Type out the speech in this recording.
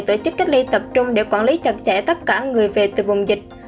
tổ chức cách ly tập trung để quản lý chặt chẽ tất cả người về từ vùng dịch